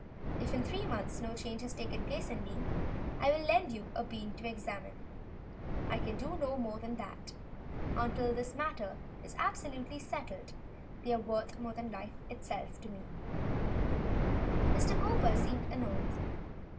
If in three months no change has taken place in me, I will lend you a bean to examine. I can do no more than that. Until this matter is absolutely settled, they are worth more than life itself to me." Mr. Cowper seemed annoyed.